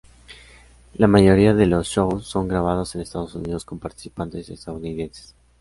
La mayoría de los shows son grabados en Estados Unidos con participantes estadounidenses.